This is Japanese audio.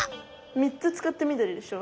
３つ使ってみどりでしょ？